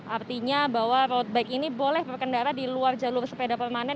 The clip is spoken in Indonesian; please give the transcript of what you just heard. artinya bahwa road bike ini boleh berkendara di luar jalur sepeda permanen